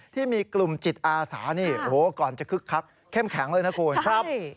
ที่มีกลุ่มจิตอาสานี่โอ้โหก่อนจะคึกคักเข้มแข็งเลยนะคุณครับ